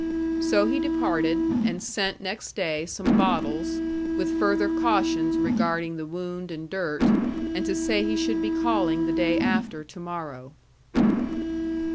So he departed, and sent next day some bottles, with further cautions regarding the wound and dirt, and to say he should be calling the day after to morrow.